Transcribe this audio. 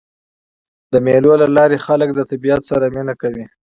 د مېلو له لاري خلک له طبیعت سره مینه کوي.